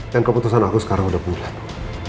dan keputusan aku sekarang udah mulai